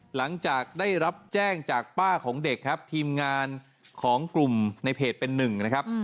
หลังจากได้รับแจ้งจากป้าของเด็กครับทีมงานของกลุ่มในเพจเป็นหนึ่งนะครับ